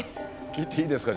「切っていいですか？」